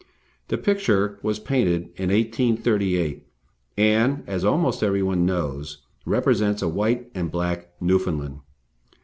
The picture was painted in 1838, and, as almost everyone knows, represents a white and black Newfoundland.